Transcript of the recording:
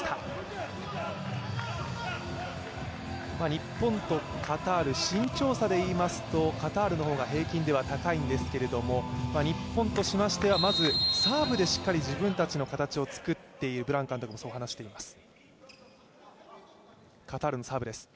日本とカタール、身長差でいいますとカタールの方が平均では高いんですけれども日本としましてはまずサーブでしっかり自分たちの形を作っていきたいとブラン監督もそう話しています。